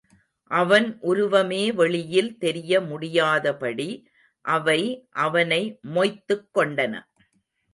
அவன் உருவமே வெளியில் தெரிய முடியாதபடி அவை அவனை மொய்த்துக்கொண்டன.